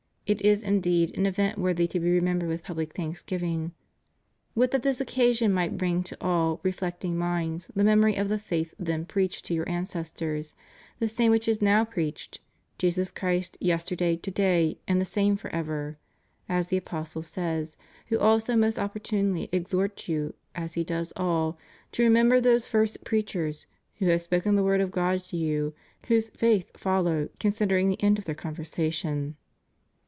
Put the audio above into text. It is, indeed, an event worthy to be remembered with pubhc thanksgiving; would that this occasion might bring to all reflecting minds the memory of the faith then preached to your ancestors, the same which is now preached — Jesus Christ yesterday, to day, and the same forever,^ as the apostle says, who also most opportunely exhorts you, as He does all, to remember those first preachers who have spoken the word of God to you, whose faith follow, considering the end of their conversation.